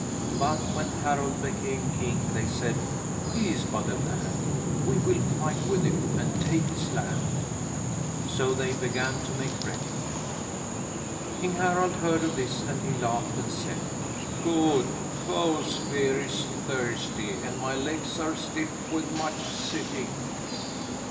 But when Harald became king, they said: "He is but a lad. We will fight with him and take his land." So they began to make ready. King Harald heard of this and he laughed and said: "Good! 'Foes' fear' is thirsty, and my legs are stiff with much sitting."